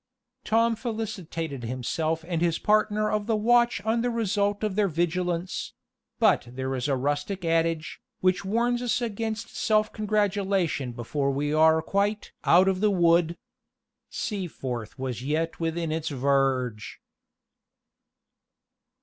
Tom felicitated himself and his partner of the watch on the result of their vigilance; but there is a rustic adage, which warns us against self gratulation before we are quite "out of the wood." Seaforth was yet within its verge.